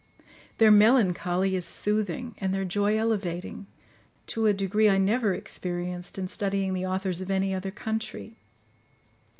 Their melancholy is soothing, and their joy elevating, to a degree I never experienced in studying the authors of any other country.